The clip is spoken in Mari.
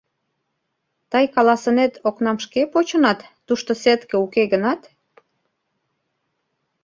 Тый каласынет, окнам шке почынат, тушто сетке уке гынат?